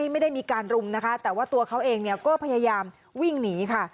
ไม่ได้มีการรุมนะคะแต่ว่าตัวเขาเองเนี่ยก็พยายามวิ่งหนีค่ะ